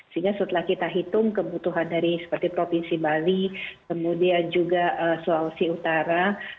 sehingga setelah kita hitung kebutuhan dari seperti provinsi bali kemudian juga sulawesi utara